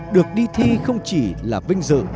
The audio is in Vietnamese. được đi thi không chỉ là vinh dự